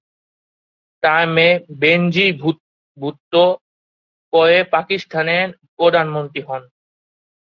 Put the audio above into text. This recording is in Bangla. তার মেয়ে বেনজির ভুট্টো পরে পাকিস্তানের প্রধানমন্ত্রী হন।